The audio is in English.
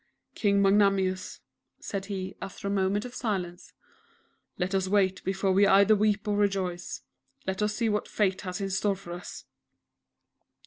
"King Magnanimous," said he, after a moment of silence, "let us wait before we either weep or rejoice. Let us see what Fate has in store for us!"